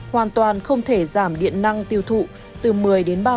hoàn toàn không thể giảm điện năng tiêu dùng